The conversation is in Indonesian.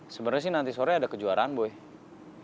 sebenernya sih nanti sore ada kejuaraan boy